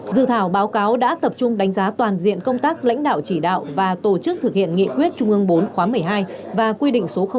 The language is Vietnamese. dự thảo báo cáo đã tập trung đánh giá toàn diện công tác lãnh đạo chỉ đạo và tổ chức thực hiện nghị quyết trung ương bốn khóa một mươi hai và quy định số tám